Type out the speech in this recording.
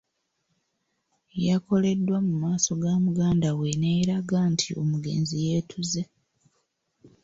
Yakoledwa mu maaso ga muganda we n’eraga nti omugenzi yeetuze.